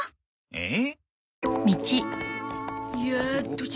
えっ？